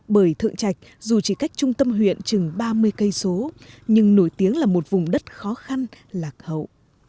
bởi thượng trạch dù chỉ cách trung tâm huyện chừng ba mươi km nhưng nổi tiếng là một vùng đất khó khăn lạc hậu